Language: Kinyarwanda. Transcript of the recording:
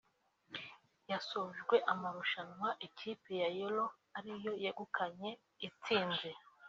yasojwe amarushanwa ikipe ya Yellow ari yo yegukanye intsinzi